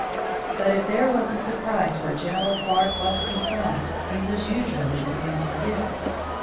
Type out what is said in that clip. But if there was a surprise where Gen. Clark was concerned, he was usually the man to give it.